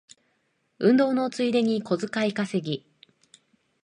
運動のついでに小遣い稼ぎ